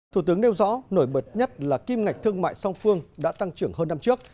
thủ tướng nêu rõ nổi bật nhất là kim ngạch thương mại song phương đã tăng trưởng hơn năm trước